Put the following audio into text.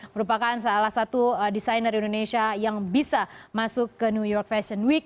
merupakan salah satu desainer indonesia yang bisa masuk ke new york fashion week